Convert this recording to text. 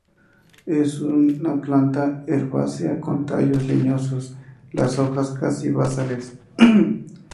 Es una planta herbácea con tallos leñosos, las hojas casi basales.